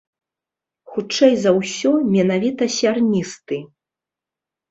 Хутчэй за ўсё, менавіта сярністы.